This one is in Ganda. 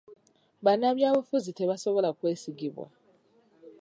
Bannabyabufuzi tebasobola kwesigibwa,